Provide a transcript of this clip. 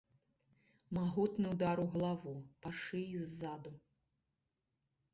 Магутны удар у галаву, па шыі ззаду.